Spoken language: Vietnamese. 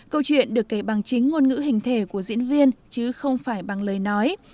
câu chuyện được kể bằng chính ngôn ngữ hình thể của diễn viên chứ không phải bằng lời nói